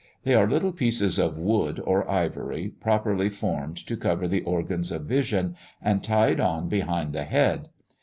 They are little pieces of wood or ivory, properly formed to cover the organs of vision, and tied on behind the head.